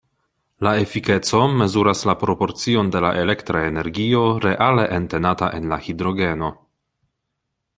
La efikeco mezuras la proporcion de la elektra energio reale entenata en la hidrogeno.